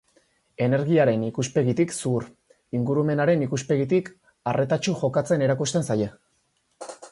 Energiaren ikuspegitik zuhur, ingurumenaren ikuspegitik arretatsu jokatzen erakusten zaie.